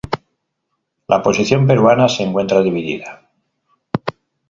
La posición peruana se encuentra dividida.